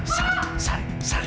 sari sari sari